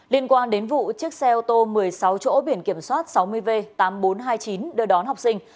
liên quan đến vụ chiếc xe ô tô một mươi sáu chỗ biển kiểm soát sáu mươi v tám nghìn bốn trăm hai mươi chín đưa đón học sinh